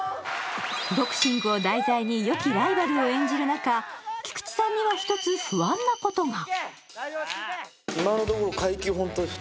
ボクシングを題材によきライバルを演じる中、菊池さんには一つ不安なことが。